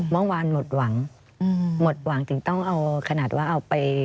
เมื่อวานหมดหวังหมดหวังถึงต้องเอาขนาดว่าเอาไป